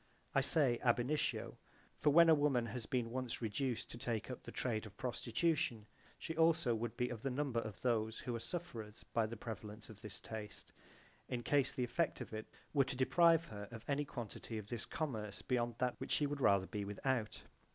(I say ab initio for when a woman has been once reduced to take up the trade of prostitution, she also would be of the number of those who are sufferers by the prevalence of this taste, in case the effect of it were to deprive her of any quantity of this I commerce beyond that which she would rather be without.